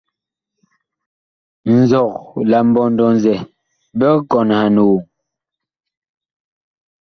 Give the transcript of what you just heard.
Nzɔg la mbɔndɔ-zɛ big kɔnhan woŋ.